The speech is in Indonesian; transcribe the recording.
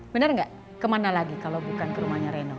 benar nggak kemana lagi kalau bukan ke rumahnya reno